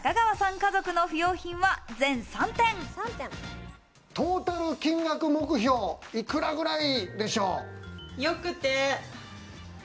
家族の不トータル金額目標、いくらぐらいでしょうか？